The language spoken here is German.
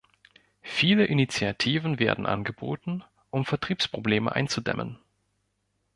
Viele Initiativen werden angeboten, um Vertriebsprobleme einzudämmen.